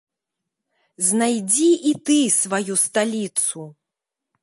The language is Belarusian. Знайдзі і ты сваю сталіцу!